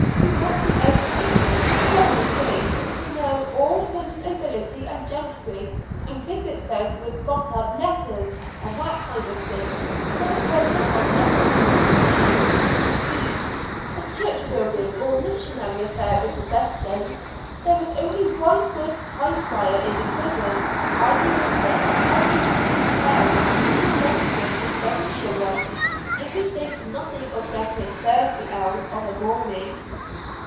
He must be educated, for his game is to know all the nobility and gentry, and visit them with got up letters, and that kind of thing, for the purpose of getting subscriptions to some scheme. A church building or missionary affair is the best game. There is only one good 'highflyer' in the prison. I knew him get 150_l._ from a gentleman in Devonshire once, and he thinks nothing of getting 30_l._ of a morning."